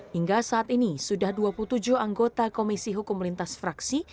hingga saat ini sudah dua puluh tujuh anggota komisi hukum lintas fraksi